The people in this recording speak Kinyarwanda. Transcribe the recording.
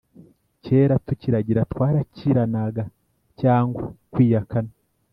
Kera tukiragira twarakiranaga cyangwa kwiyakana